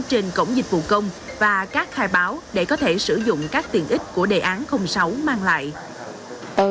trên cổng dịch vụ công và các khai báo để có thể sử dụng các tiền ích của đề án sáu mang lại